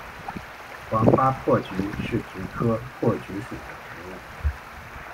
黄花珀菊是菊科珀菊属的植物。